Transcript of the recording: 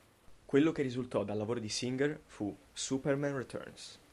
Quello che risultò dal lavoro di Singer fu "Superman Returns".